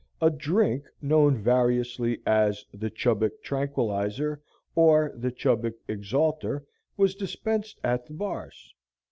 A drink known variously as "The Chubbuck Tranquillizer," or "The Chubbuck Exalter," was dispensed at the bars.